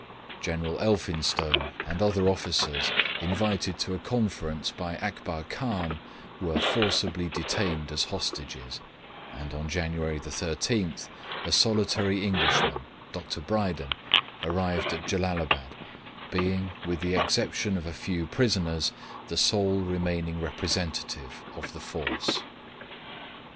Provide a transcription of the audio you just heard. General Elphinstone and other officers, invited to a conference by Akbar Khan, were forcibly detained as hostages, and on January 13 a solitary Englishman (Dr. Brydon) arrived at Jellalabad, being, with the exception of a few prisoners, the sole remaining representative of the force.